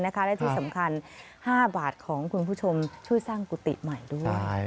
และที่สำคัญ๕บาทของคุณผู้ชมช่วยสร้างกุฏิใหม่ด้วย